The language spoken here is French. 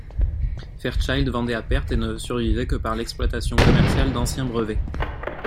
Fairchild vendait à perte, et ne survivait que par l'exploitation commerciale d'anciens brevets.